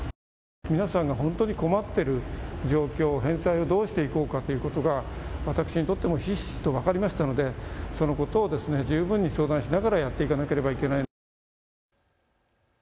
皆さんが困っている状況、返済をどうしていこうかというのがひしひしと分かりましたのでそのことを十分に相談しながらやっていかなければならない。